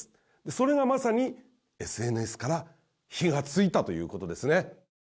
それがまさにＳＮＳから火がついたということですね。